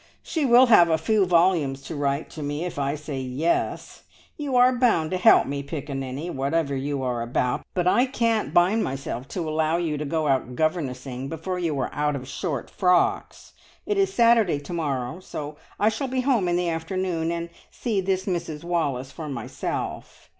"She will have a few volumes to write to me if I say `Yes!' You are bound to help me, Piccaninny, whatever you are about, but I can't bind myself to allow you to go out governessing before you are out of short frocks. It is Saturday to morrow, so I shall be home in the afternoon, and see this Mrs Wallace for myself.